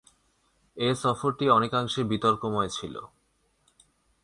এ সফরটি অনেকাংশে বিতর্কময় ছিল।